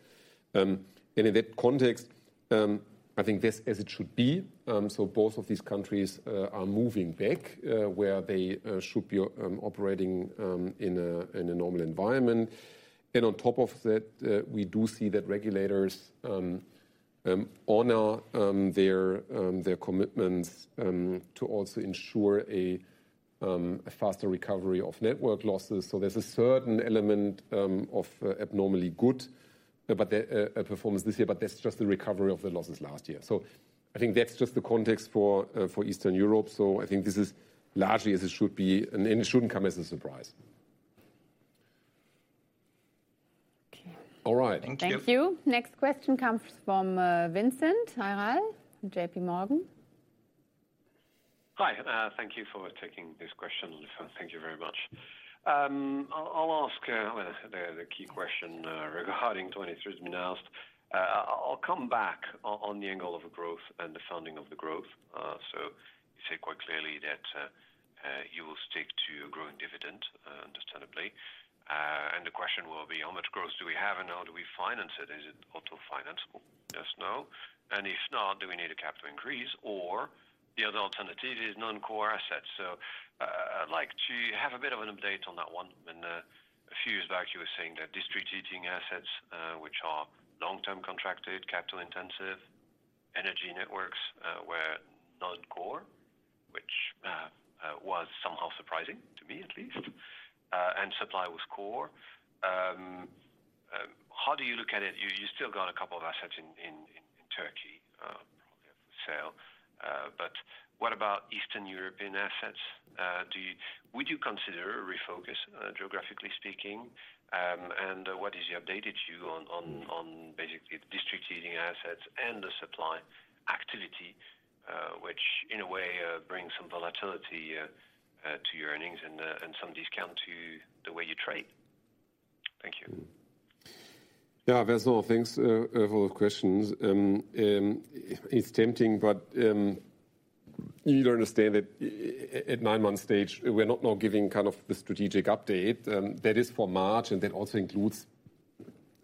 In that context, I think this as it should be, so both of these countries are moving back where they should be operating in a normal environment. On top of that, we do see that regulators honor their commitments to also ensure a faster recovery of network losses. So there's a certain element of abnormally good performance this year, but that's just the recovery of the losses last year. So I think that's just the context for Eastern Europe. So I think this is largely as it should be, and it shouldn't come as a surprise. Okay. All right. Thank you. Next question comes from Vincent Ayral, JP Morgan. Hi, thank you for taking this question. Thank you very much. I'll ask the key question regarding 2023 has been asked. I'll come back on the angle of the growth and the funding of the growth. So you say quite clearly that you will stick to a growing dividend, understandably. And the question will be: How much growth do we have, and how do we finance it? Is it auto financeable, yes, no? And if not, do we need a capital increase, or the other alternative is non-core assets. So I'd like to have a bit of an update on that one. A few years back, you were saying that district heating assets, which are long-term contracted, capital intensive, energy networks, were non-core, which was somehow surprising, to me at least, and supply was core. How do you look at it? You still got a couple of assets in Turkey for sale. But what about Eastern European assets? Would you consider a refocus, geographically speaking? And what is the updated view on basically the district heating assets and the supply activity, which in a way, brings some volatility to your earnings and some discount to the way you trade? Thank you. Yeah, Vincent, thanks for the questions. It's tempting, but you need to understand that at nine-month stage, we're not now giving kind of the strategic update. That is for March, and that also includes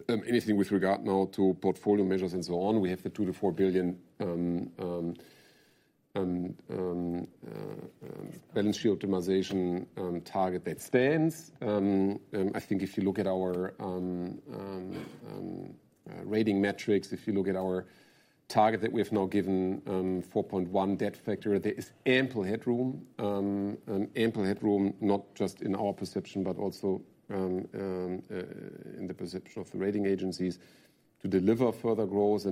anything with regard now to portfolio measures and so on. We have the 2 billion-4 billion balance sheet optimization target that stands. I think if you look at our rating metrics, if you look at our target that we have now given, 4.1 debt factor, there is ample headroom, and ample headroom, not just in our perception, but also in the perception of the rating agencies to deliver further growth.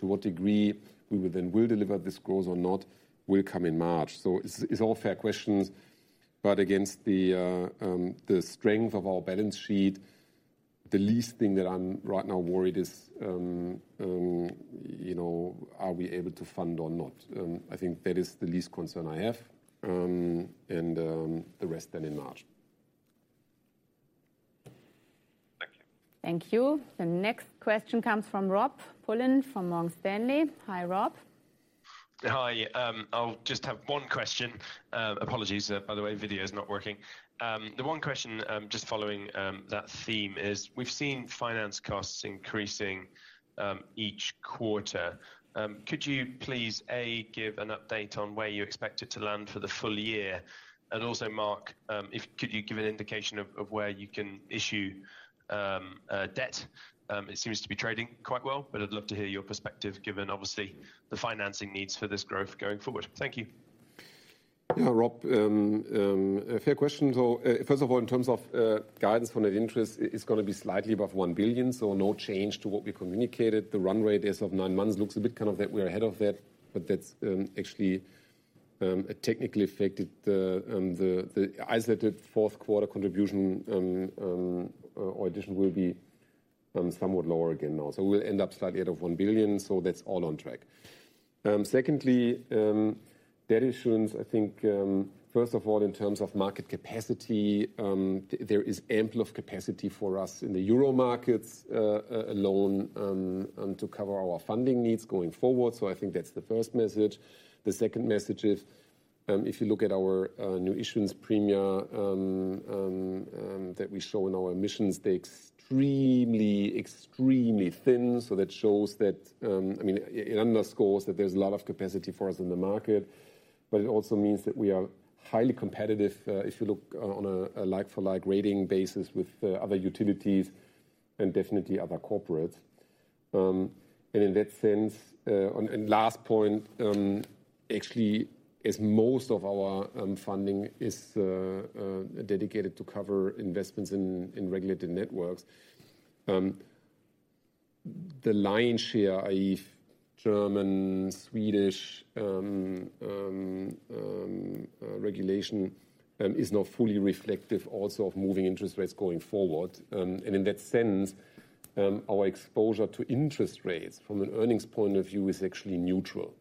To what degree we then will deliver this growth or not will come in March. It's all fair questions, but against the strength of our balance sheet, the least thing that I'm right now worried is, you know, are we able to fund or not? I think that is the least concern I have. And the rest then in March. Thank you. Thank you. The next question comes from Rob Pulleyn, from Morgan Stanley. Hi, Rob. Hi, I'll just have one question. Apologies, by the way, video is not working. The one question, just following that theme is, we've seen finance costs increasing each quarter. Could you please, A, give an update on where you expect it to land for the full-year? And also, Mark, if could you give an indication of where you can issue debt? It seems to be trading quite well, but I'd love to hear your perspective, given obviously, the financing needs for this growth going forward. Thank you. Yeah, Rob, a fair question. So, first of all, in terms of guidance for net interest, it's gonna be slightly above 1 billion, so no change to what we communicated. The run rate as of 9 months looks a bit kind of that we're ahead of that, but that's actually a technically affected, the isolated fourth quarter contribution or addition will be somewhat lower again now. So we'll end up slightly out of 1 billion, so that's all on track. Secondly, debt issuance, I think, first of all, in terms of market capacity, there is ample of capacity for us in the euro markets alone to cover our funding needs going forward. So I think that's the first message. The second message is, if you look at our new issuance premia that we show in our issuances, they're extremely, extremely thin. So that shows that, I mean, it underscores that there's a lot of capacity for us in the market, but it also means that we are highly competitive, if you look on a like-for-like rating basis with other utilities and definitely other corporates. And in that sense, last point, actually, as most of our funding is dedicated to cover investments in regulated networks, the lion's share, i.e., German, Swedish regulation, is not fully reflective also of moving interest rates going forward. And in that sense, our exposure to interest rates from an earnings point of view is actually neutral.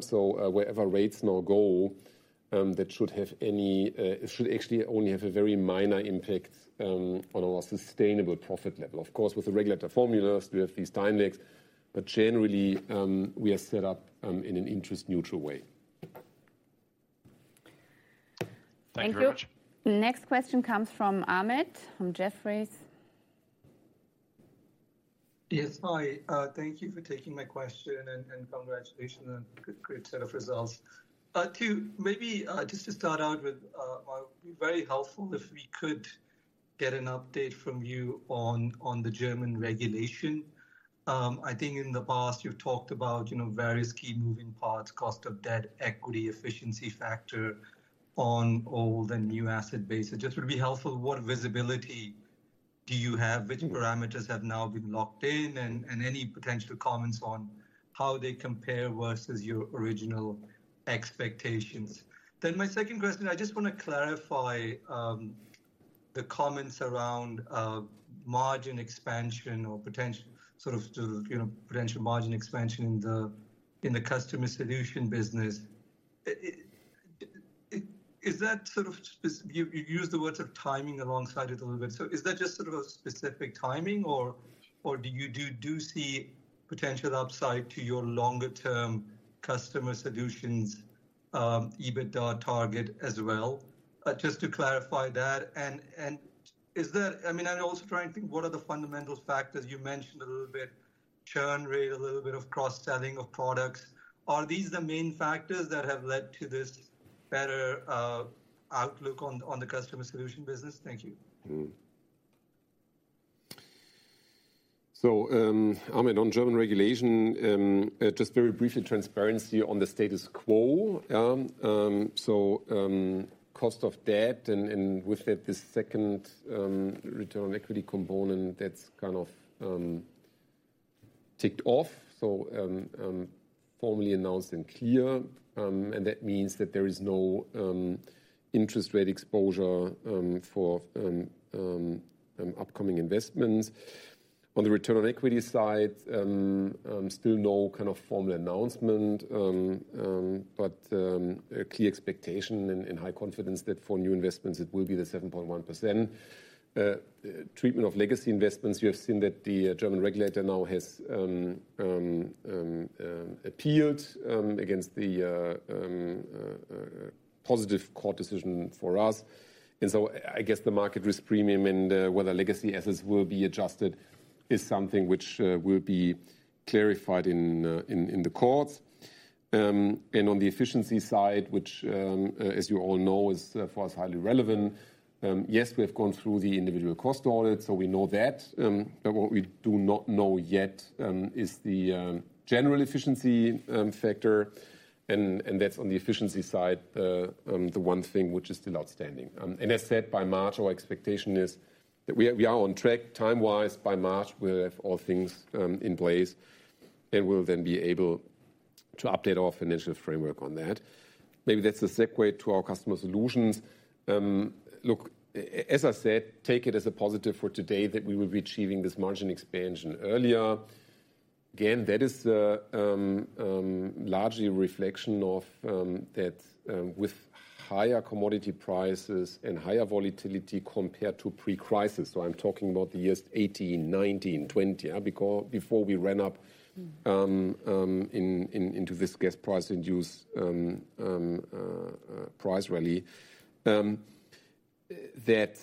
So, wherever rates now go, that should actually only have a very minor impact on our sustainable profit level. Of course, with the regulator formulas, we have these dynamics, but generally, we are set up in an interest neutral way. Thank you very much. Thank you. Next question comes from Ahmed, from Jefferies. Yes, hi. Thank you for taking my question, and congratulations on good, great set of results. To maybe just to start out with, it would be very helpful if we could get an update from you on the German regulation. I think in the past you've talked about, you know, various key moving parts, cost of debt, equity, efficiency factor on old and new asset base. It just would be helpful, what visibility do you have? Which parameters have now been locked in, and any potential comments on how they compare versus your original expectations? Then my second question, I just wanna clarify the comments around margin expansion or potential sort of to, you know, potential margin expansion in the customer solution business. You used the word "timing" alongside it a little bit. So is that just sort of a specific timing, or do you see potential upside to your longer-term Customer Solutions EBITDA target as well? Just to clarify that. And is there... I mean, I'm also trying to think, what are the fundamental factors? You mentioned a little bit churn rate, a little bit of cross-selling of products. Are these the main factors that have led to this better outlook on the customer solution business? Thank you. So, Ahmed, on German regulation, just very briefly, transparency on the status quo. Cost of debt and, with that, the second return on equity component, that's kind of ticked off. Formally announced and clear, and that means that there is no interest rate exposure for upcoming investments. On the return on equity side, still no kind of formal announcement, but a key expectation and high confidence that for new investments it will be the 7.1%. Treatment of legacy investments, you have seen that the German regulator now has appealed against the positive court decision for us. So I guess the market risk premium and whether legacy assets will be adjusted is something which will be clarified in the courts. And on the efficiency side, which as you all know is for us highly relevant, yes, we have gone through the individual cost audit, so we know that. But what we do not know yet is the general efficiency factor, and that's on the efficiency side the one thing which is still outstanding. And as said, by March our expectation is that we are on track time-wise. By March, we'll have all things in place, and we'll then be able to update our financial framework on that. Maybe that's the segue to our Customer Solutions. Look, as I said, take it as a positive for today that we will be achieving this margin expansion earlier. Again, that is the, largely a reflection of, that, with higher commodity prices and higher volatility compared to pre-crisis. So I'm talking about the years 2018, 2019, 2020, because before we ran up, in into this gas price-induced price rally. That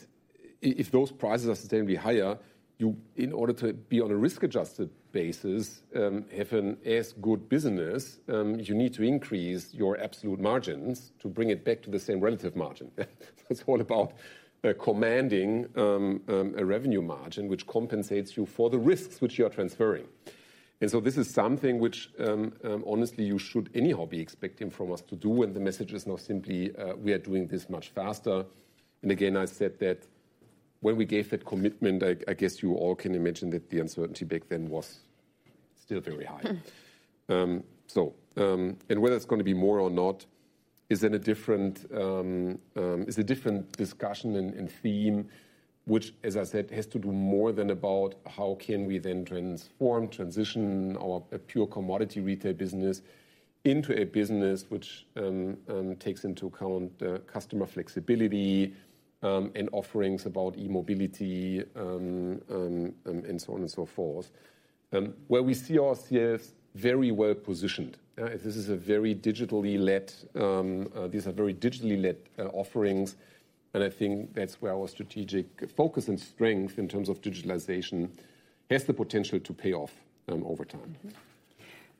if those prices are substantially higher, you, in order to be on a risk-adjusted basis, if an as good business, you need to increase your absolute margins to bring it back to the same relative margin. It's all about, commanding, a revenue margin, which compensates you for the risks which you are transferring. And so this is something which, honestly, you should anyhow be expecting from us to do, and the message is now simply, we are doing this much faster. And again, I said that when we gave that commitment, I, I guess you all can imagine that the uncertainty back then was still very high. So, and whether it's gonna be more or not is in a different, is a different discussion and, and theme, which, as I said, has to do more than about how can we then transform, transition our pure commodity retail business into a business which, takes into account, customer flexibility, and offerings about e-mobility, and so on and so forth. Where we see our CS very well positioned, these are very digitally led offerings, and I think that's where our strategic focus and strength in terms of digitalization has the potential to pay off over time.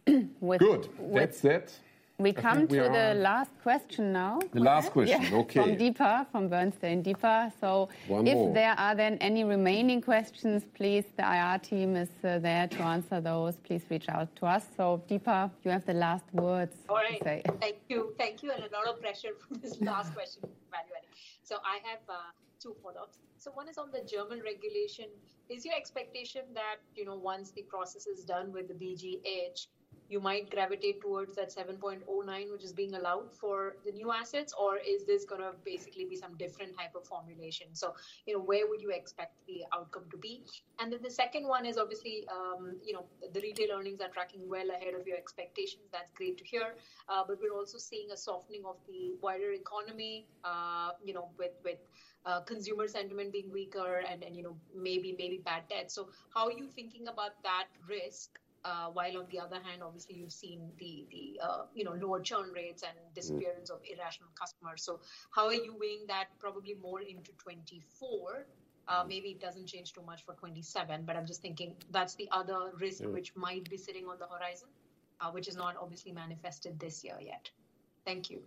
Mm-hmm. With- Good. That's it. We come to the last question now. The last question? Yeah. Okay. From Deepa, from Bernstein. Deepa, One more... if there are then any remaining questions, please, the IR team is there to answer those. Please reach out to us. So, Deepa, you have the last words. All right. Thank you. Thank you, and a lot of pressure for this last question. Bye.... So I have two follow-ups. So one is on the German regulation. Is your expectation that, you know, once the process is done with the BGH, you might gravitate towards that 7.09, which is being allowed for the new assets? Or is this gonna basically be some different type of formulation? So, you know, where would you expect the outcome to be? And then the second one is obviously, you know, the retail earnings are tracking well ahead of your expectations. That's great to hear. But we're also seeing a softening of the wider economy, you know, with, with, consumer sentiment being weaker and then, you know, maybe, maybe bad debt. So how are you thinking about that risk? While on the other hand, obviously, you've seen, you know, lower churn rates and- Mm... disappearance of irrational customers. So how are you weighing that, probably more into 2024? Mm. Maybe it doesn't change too much for 2027, but I'm just thinking that's the other risk- Mm - which might be sitting on the horizon, which is not obviously manifested this year yet. Thank you.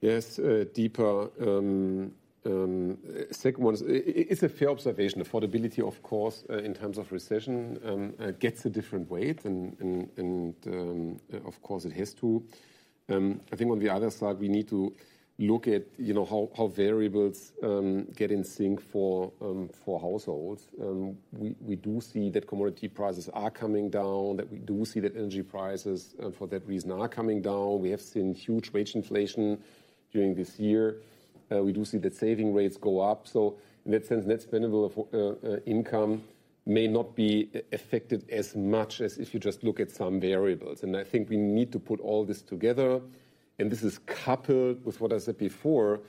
Yes, Deepa. Second one is, it's a fair observation. Affordability, of course, in terms of recession, gets a different weight and, of course it has to. I think on the other side, we need to look at, you know, how variables get in sync for households. We do see that commodity prices are coming down, that we do see that energy prices, for that reason, are coming down. We have seen huge wage inflation during this year. We do see that saving rates go up, so in that sense, net spendable of income may not be affected as much as if you just look at some variables. I think we need to put all this together, and this is coupled with what I said before,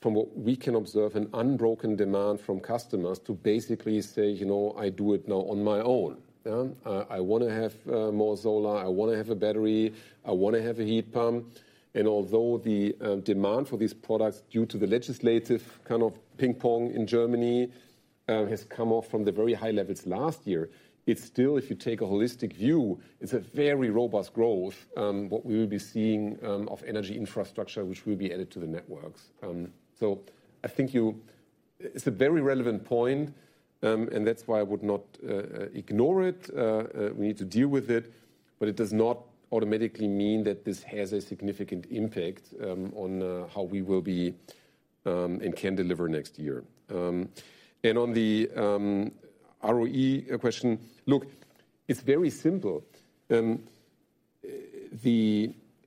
from what we can observe, an unbroken demand from customers to basically say, "You know, I do it now on my own." Yeah? "I wanna have more solar. I wanna have a battery. I wanna have a heat pump." And although the demand for these products, due to the legislative kind of ping pong in Germany, has come off from the very high levels last year, it's still, if you take a holistic view, it's a very robust growth what we will be seeing of energy infrastructure, which will be added to the networks. So it's a very relevant point, and that's why I would not ignore it. We need to deal with it, but it does not automatically mean that this has a significant impact on how we will be and can deliver next year. On the ROE question, look, it's very simple. The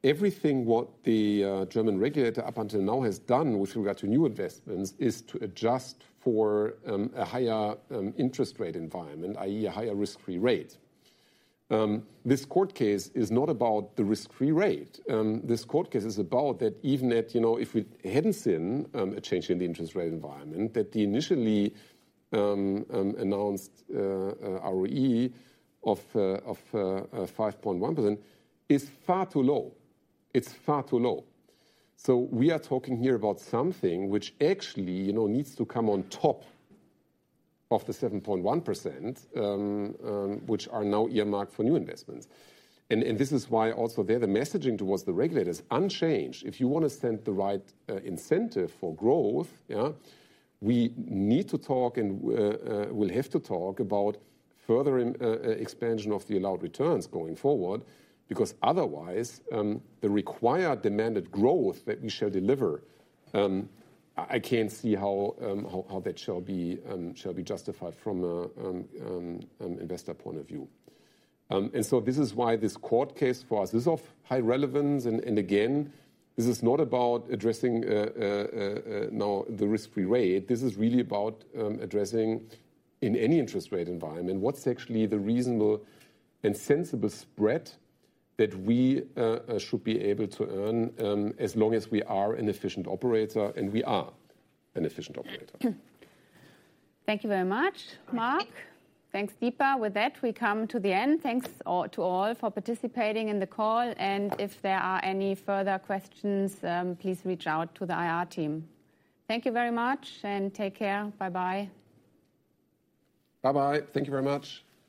everything what the German regulator up until now has done with regard to new investments is to adjust for a higher interest rate environment, i.e., a higher risk-free rate. This court case is not about the risk-free rate. This court case is about that even at, you know, if we hadn't seen a change in the interest rate environment, that the initially announced ROE of 5.1% is far too low. It's far too low. So we are talking here about something which actually, you know, needs to come on top of the 7.1%, which are now earmarked for new investments. And this is why also there, the messaging towards the regulator is unchanged. If you wanna send the right incentive for growth, yeah, we need to talk and we'll have to talk about further expansion of the allowed returns going forward, because otherwise, the required demanded growth that we shall deliver, I can't see how that shall be justified from an investor point of view. And so this is why this court case for us is of high relevance, and again, this is not about addressing now the risk-free rate. This is really about addressing in any interest rate environment, what's actually the reasonable and sensible spread that we should be able to earn, as long as we are an efficient operator, and we are an efficient operator. Thank you very much, Marc. Thanks, Deepa. With that, we come to the end. Thanks all, to all for participating in the call, and if there are any further questions, please reach out to the IR team. Thank you very much, and take care. Bye-bye. Bye-bye. Thank you very much.